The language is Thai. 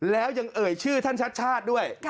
แล้วยังเอ่ยชื่อท่านชัดชาติด้วย